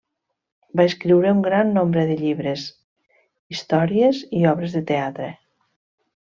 Va escriure un gran nombre de llibres, històries i obres de teatre.